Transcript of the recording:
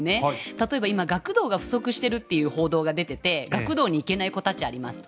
例えば今学童が不足しているという報道が出ていて学童に行けない子たちがありますと。